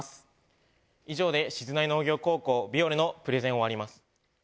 以上で静内農業高校美俺のプレゼンを終わります。